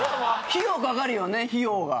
費用かかるよね費用が。